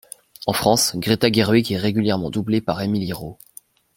En France, Greta Gerwig est régulièrement doublée par Émilie Rault.